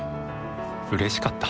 うれしかった。